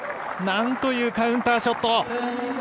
なんというカウンターショット。